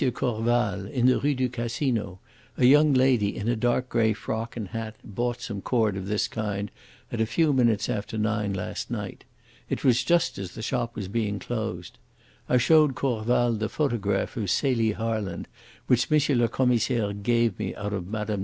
Corval, in the Rue du Casino, a young lady in a dark grey frock and hat bought some cord of this kind at a few minutes after nine last night. It was just as the shop was being closed. I showed Corval the photograph of Celie Harland which M. le Commissaire gave me out of Mme.